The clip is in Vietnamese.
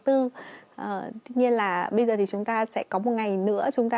tuy nhiên là bây giờ thì chúng ta sẽ có một ngày nữa